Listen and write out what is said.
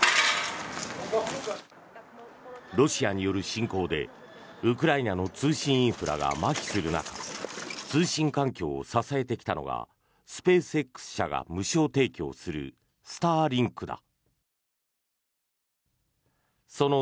ロシアによる侵攻でウクライナの通信インフラがまひする中通信環境を支えてきたのがスペースＸ社が無償提供するスターリンクだ。